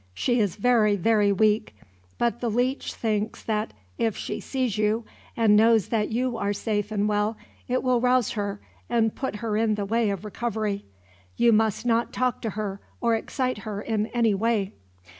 She is very, very weak; but the leech thinks that if she sees you, and knows that you are safe and well, it will rouse her and put her in the way of recovery. You must not talk to her, or excite her in any way."